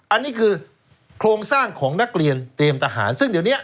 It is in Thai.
อันนี้คือโครงสร้างของนักเรียนเตรียมทหารซึ่งเดี๋ยวนี้